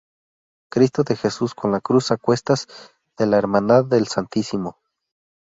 Cristo de Jesús con la Cruz a cuestas, de la Hermandad del Stmo.